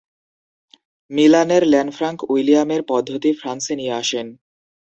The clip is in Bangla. মিলানের ল্যানফ্রাঙ্ক উইলিয়ামের পদ্ধতি ফ্রান্সে নিয়ে আসেন।